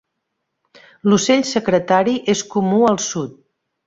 L'ocell secretari és comú al sud.